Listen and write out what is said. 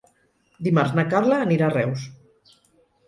Dimarts na Carla anirà a Reus.